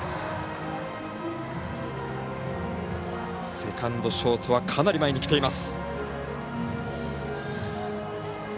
セカンド、ショートはかなり前に来ています。